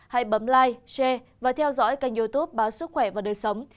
hãy bấm like share và theo dõi kênh youtube báo sức khỏe và đời sống